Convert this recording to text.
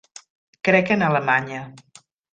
Crec en Alemanya.